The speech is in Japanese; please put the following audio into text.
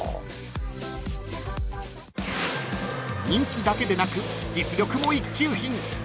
［人気だけでなく実力も一級品］